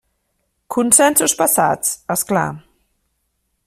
Consensos passats, és clar.